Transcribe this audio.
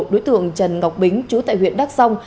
đối tượng trần ngọc bính chú tại huyện đắk song